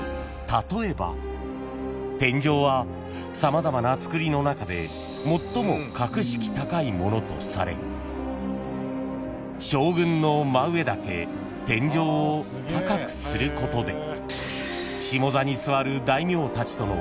例えば天井は様々な造りの中で最も格式高いものとされ将軍の真上だけ天井を高くすることで下座に座る大名たちとの］